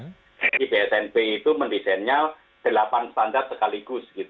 jadi bsnp itu mendesainnya delapan standar sekaligus